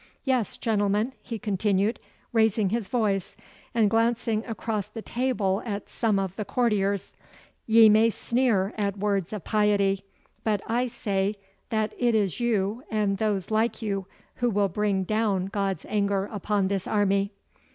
Yes, gentlemen,' he continued, raising his voice and glancing across the table at some of the courtiers, 'ye may sneer at words of piety, but I say that it is you and those like you who will bring down God's anger upon this army.